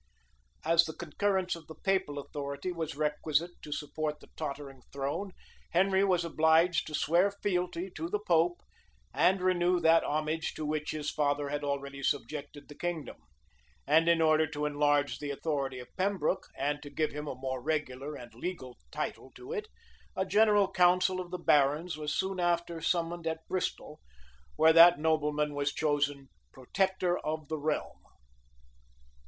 [*] As the concurrence of the papal authority was requisite to support the tottering throne, Henry was obliged to swear fealty to the pope, and renew that homage to which his father had already subjected the kingdom:[] and in order to enlarge the authority of Pembroke, and to give him a more regular and legal title to it, a general council of the barons was soon after summoned at Bristol, where that nobleman was chosen protector of the realm. * M. Paris, p. 290. Hist Croyl. Cont. p. 474. W. Heming. p. 562. Privet, p. 168. M.